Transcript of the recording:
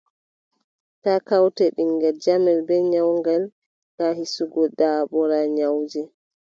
Taa kawte ɓiŋngel jamel bee nyawngel, ngam hisgo daaɓoral nyawuuji.